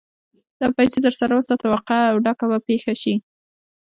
دا پيسې در سره وساته؛ واقعه او ډکه به پېښه شي.